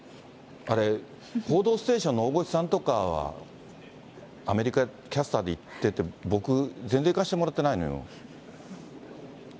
あれ、報道ステーションの大越さんとかは、アメリカ、キャスターで行ってて、僕、全然行かしてもらってないのよ。